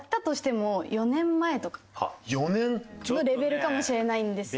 ４年！のレベルかもしれないんですよね。